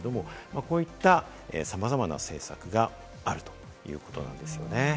こういったさまざまな政策があるということなんですよね。